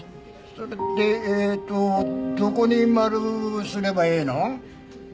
それでえーっとどこに丸すればええの？